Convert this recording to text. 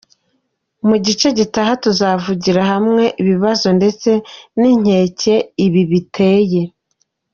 Mu gice gitaha tuzavugira hamwe ibibazo ndetse n’inkeke ibi biteye.